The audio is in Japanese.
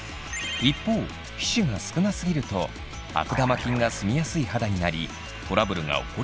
一方皮脂が少なすぎると悪玉菌が住みやすい肌になりトラブルが起こりやすくなります。